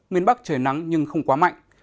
miền bắc trời nắng nhưng không quá mạnh